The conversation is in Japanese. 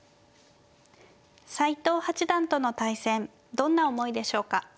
斎藤八段との対戦どんな思いでしょうか。